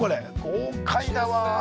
豪快だわ。